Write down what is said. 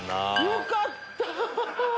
よかった。